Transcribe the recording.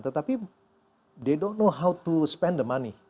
tetapi mereka tidak tahu bagaimana menghabiskan uang